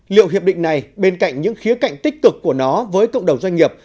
liệu hiệp định này bên cạnh những khía cạnh tích cực của nó với cộng đồng doanh nghiệp